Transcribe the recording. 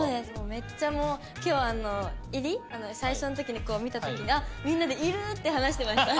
めっちゃもう今日入り最初の時にこう見た時にみんなで「いるー！」って話してました。